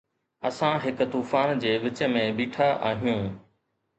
اسان هڪ طوفان جي وچ ۾ ويٺا آهيون